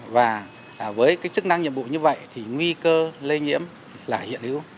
và với cái chức năng nhiệm vụ như vậy thì nguy cơ lây nhiễm là hiện hữu